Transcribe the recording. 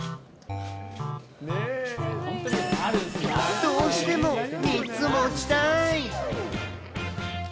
どうしても３つ持ちたい。